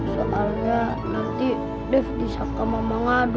soalnya nanti dep disangka mama ngaduk